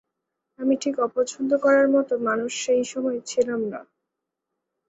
আমি ঠিক অপছন্দ করার মতো মানুষ সেই সময় ছিলাম না।